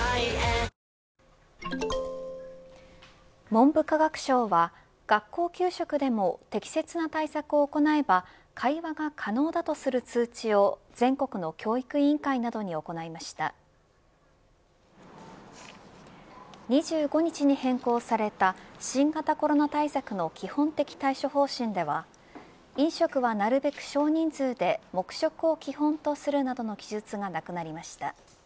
文部科学省は学校給食でも適切な対策を行えば会話が可能だとする通知を２５日に変更された新型コロナ対策の基本的対処方針では飲食はなるべく少人数で黙食を基本とするなどの記述がなくなりました。